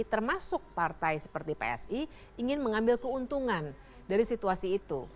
termasuk partai seperti psi ingin mengambil keuntungan dari situasi itu